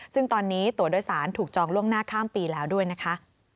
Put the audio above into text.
ซึ่งตอนนี้ตัวโดยสารถูกจองล่วงหน้าข้ามปีแล้วด้วยนะคะ